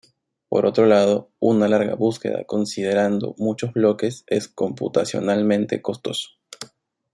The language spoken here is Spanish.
Por otro lado, una larga búsqueda considerando muchos bloques es computacionalmente costoso.